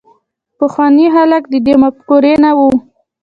پخواني خلک د دې مفکورې نه وو.